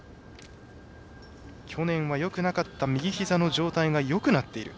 去年はよくなかった右ひざの状態がよくなっている。